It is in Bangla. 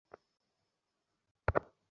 পান দিলে না আমাকে?